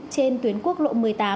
trên tuyến quốc lộ một mươi tám